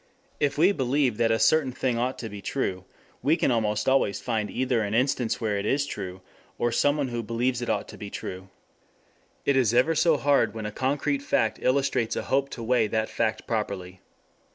If we believe that a certain thing ought to be true, we can almost always find either an instance where it is true, or someone who believes it ought to be true. It is ever so hard when a concrete fact illustrates a hope to weigh that fact properly.